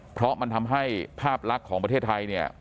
เพราะมันทำให้ภาพลักษณ์ของประเทศไทยเนี่ย